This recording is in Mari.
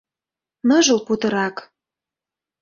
Ныжыл путырак.